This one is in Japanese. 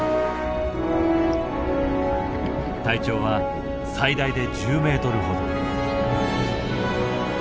体長は最大で１０ｍ程。